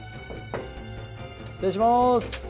失礼します。